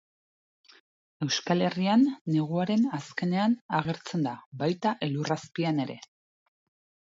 Euskal Herrian neguaren azkenean agertzen da, baita elur azpian ere.